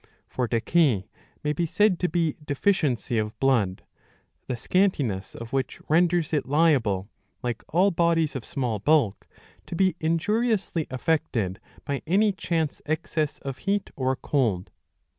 ^ For decay may be said to be deficiency of blood, the scantiness of which renders it liable, like all bodies of small bulk, to be injuriously affected by any chance excess of heat or cold.